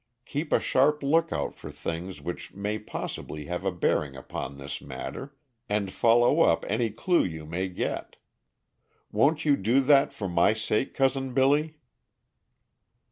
Keep a sharp lookout for things which may possibly have a bearing upon this matter, and follow up any clue you may get. Won't you do that for my sake, Cousin Billy?"